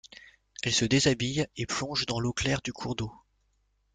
Elle se déshabille et plonge dans l'eau claire du cours d'eau.